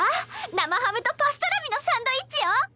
生ハムとパストラミのサンドイッチよ！